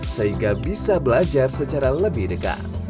sehingga bisa belajar secara lebih dekat